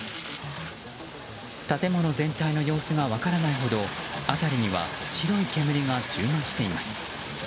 建物全体の様子が分からないほど辺りには白い煙が充満しています。